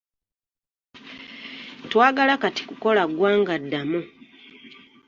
Twagala kati kukola ggwanga ddamu.